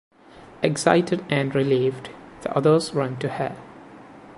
Excited and relieved, the others run to her.